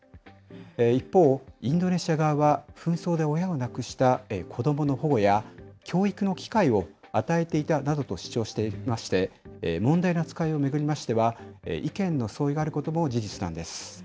一方、インドネシア側は紛争で親を亡くした子どもの保護や、教育の機会を与えていたなどと主張していまして、問題の扱いを巡りましては、意見の相違があることも事実なんです。